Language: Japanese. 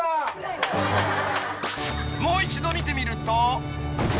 ［もう一度見てみると］